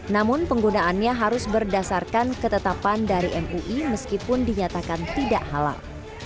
namun penggunaannya harus berdasarkan ketetapan dari mui meskipun dinyatakan tidak halal